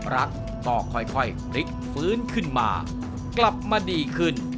รักก็ค่อยพลิกฟื้นขึ้นมากลับมาดีขึ้น